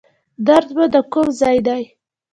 درد مو د کوم ځای دی؟